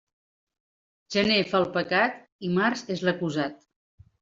Gener fa el pecat i març és l'acusat.